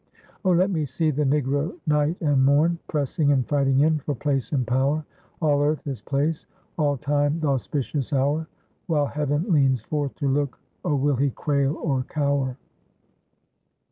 Oh, let me see the Negro night and morn, Pressing and fighting in, for place and power! All earth is place all time th' auspicious hour, While heaven leans forth to look, oh, will he quail or cower?